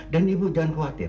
dan ibu jangan khawatir